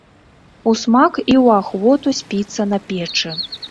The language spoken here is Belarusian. Усмак і ў ахвоту спіцца на печы.